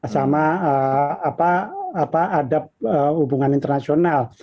sama adab hubungan internasional